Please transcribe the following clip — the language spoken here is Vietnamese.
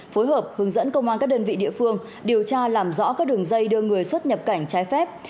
phối hợp hướng dẫn công an các đơn vị địa phương điều tra làm rõ các đường dây đưa người xuất nhập cảnh trái phép